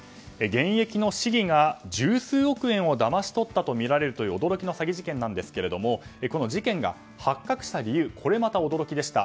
現役の市議が十数億円をだまし取ったとみられる驚きの詐欺事件ですがこの事件が発覚した理由これまた驚きでした。